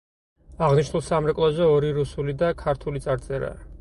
აღნიშნულ სამრეკლოზე ორი რუსული და ქართული წარწერაა.